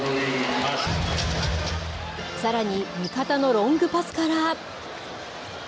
さらに味方のロングパスから。